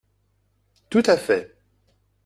Tout à fait